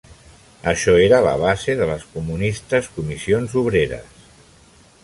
Això era la base de les comunistes Comissions Obreres.